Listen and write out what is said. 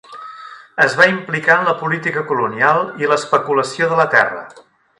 Es va implicar en la política colonial i l'especulació de la terra.